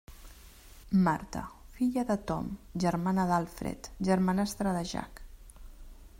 Marta: filla de Tom, germana d'Alfred, germanastra de Jack.